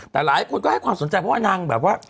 แต่หลายคนก็ให้ความสนใจเพราะว่านางแบบว่า